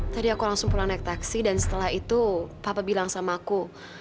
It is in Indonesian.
tadi aku langsung pulang naik taksi dan setelah itu papa bilang sama aku